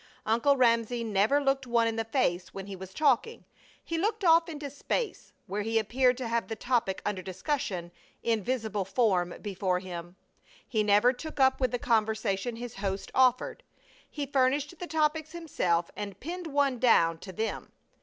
Uncle Ramsay never looked one in the face when he was talking. He looked off into space, where he appeared to have the topic under discussion in visible form before him. He never took up with the conversation his host offered. He furnished the topics himself and pinned one down to them.